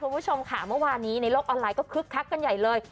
คุณผู้ชมค่ะเมื่อวานนี้ในโลกออนไลน์ก็คึกคักกันใหญ่เลย